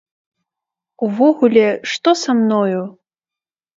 Увогуле, што са мною?